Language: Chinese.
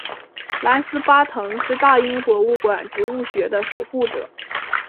兰斯巴腾是大英博物馆植物学的守护者。